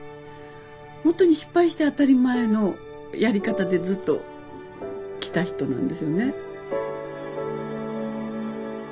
ほんとに失敗して当たり前のやり方でずっときた人なんですよね。